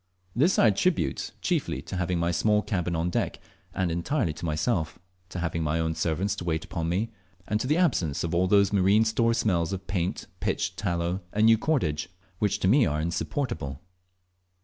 This I attribute chiefly to having my small cabin on deck, and entirely to myself, to having my own servants to wait upon me, and to the absence of all those marine store smells of paint, pitch, tallow, and new cordage, which are to me insupportable.